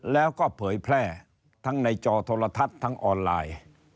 แล้วก็เผยแพร่ทั้งในจอโทรทัศน์ทั้งออนไลน์